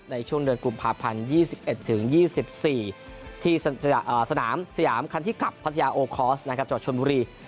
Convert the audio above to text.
ในช่วงเดือนกลุ่ม๒๐๒๑๒๐๒๔ที่สนามสยามคันที่กลับพัทยาโอเคิร์สจอดชนบุรี